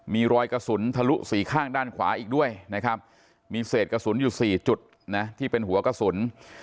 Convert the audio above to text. มีรอยกระสุนทะลุสี่ข้างด้านขวาอีกด้วยนะครับมีเศษกระสุนอยู่๔จุดนะที่เป็นหัวกระสุน